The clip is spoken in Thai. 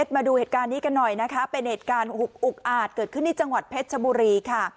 มาดูเหตุการณ์นี้กันหน่อยนะคะเป็นเหตุการณ์อุกอาจเกิดขึ้นที่จังหวัดเพชรชบุรีค่ะ